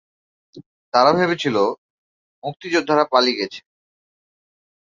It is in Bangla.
তারা ভেবেছিল, মুক্তিযোদ্ধারা পালিয়ে গেছে।